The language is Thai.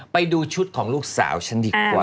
ไปดูชุดของลูกสาวฉันดีกว่า